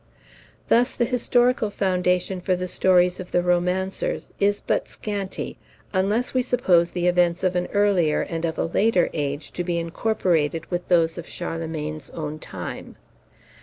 Thus the historical foundation for the stories of the romancers is but scanty, unless we suppose the events of an earlier and of a later age to be incorporated with those of Charlemagne's own time.